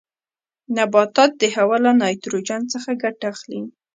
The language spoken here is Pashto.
نباتات د هوا له نایتروجن څخه ګټه اخلي.